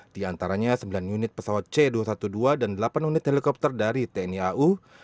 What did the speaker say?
di antaranya sembilan unit pesawat c dua ratus dua belas dan delapan unit helikopter dari tni au